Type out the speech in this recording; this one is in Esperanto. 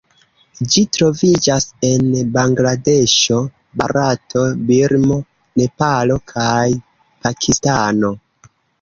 Ĝi troviĝas en Bangladeŝo, Barato, Birmo, Nepalo kaj Pakistano.